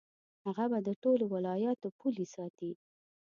هغه به د ټولو ولایاتو پولې ساتي.